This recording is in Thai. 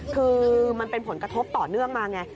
คือมันเป็นผลกระทบต่อเนื่องมาไง